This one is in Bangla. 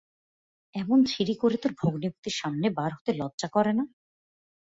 এমন ছিরি করে তোর ভগ্নীপতির সামনে বার হতে লজ্জা করে না?